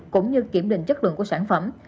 cũng như kiểm định chất lượng của sản phẩm